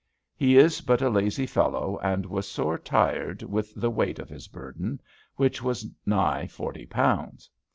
Hee is but a lazy Fellowe, and was sore tired with the weight of his burden, which was nigh fortie pounds.